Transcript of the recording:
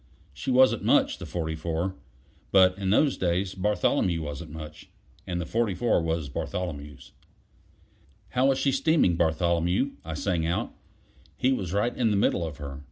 She wasn't much the 44. But in those days Bartholomew wasn't much: and the 44 was Bartholomew's. "How is she steaming, Bartholomew?" I sang out; he was right in the middle of her.